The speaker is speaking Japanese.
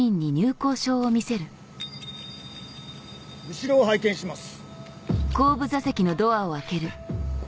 後ろを拝見します。